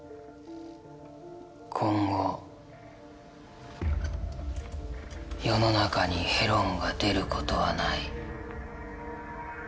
今後世の中にヘロンが出る事はない。